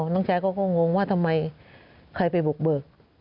น้องชายเขาก็งงว่าทำไมใครไปบุกเบิก